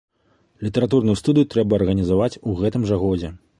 Літаратурную студыю трэба арганізаваць у гэтым жа годзе.